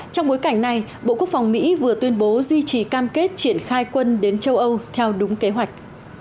trong bối cảnh này bộ quốc phòng mỹ vừa tuyên bố duy trì cam kết triển khai quân đến châu âu theo đúng kế hoạch